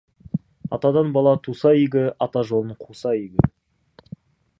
Атадан бала туса игі, ата жолын қуса игі.